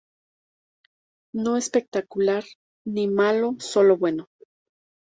No espectacular, ni malo, solo bueno.